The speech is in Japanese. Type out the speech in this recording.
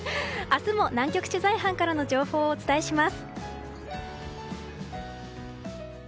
明日も南極取材班からの情報をお伝えします。